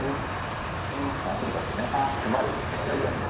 まあとにかくね迫るのが大事なんで。